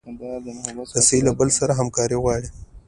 رسۍ له بل سره همکاري غواړي.